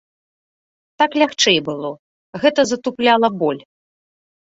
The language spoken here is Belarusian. Так лягчэй было, гэта затупляла боль.